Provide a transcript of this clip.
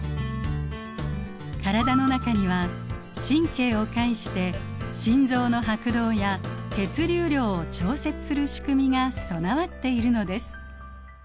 体の中には神経を介して心臓の拍動や血流量を調節する仕組みが備わっているのです。